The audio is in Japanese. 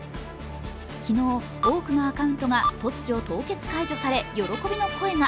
昨日、多くのアカウントが突如、凍結解除され喜びの声が。